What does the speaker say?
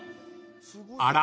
［あら？